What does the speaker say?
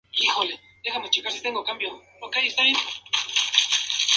El origen de su trabajo se puede decir que inicia con la madera.